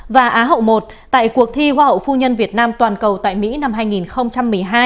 và á hậu một tại cuộc thi hoa hậu phu nhân việt nam toàn cầu tại mỹ năm hai nghìn một mươi hai